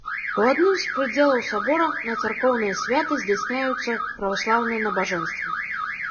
У адным з прыдзелаў сабора на царкоўныя святы здзяйсняюцца праваслаўныя набажэнствы.